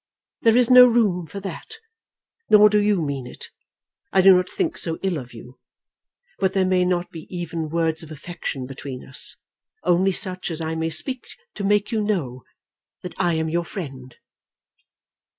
There is no room for that. Nor do you mean it. I do not think so ill of you. But there may not be even words of affection between us only such as I may speak to make you know that I am your friend."